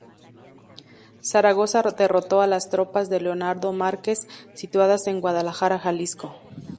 Zaragoza derrotó a las tropas de Leonardo Márquez, situadas en Guadalajara, Jalisco.